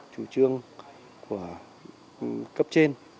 chủ trương của cấp trên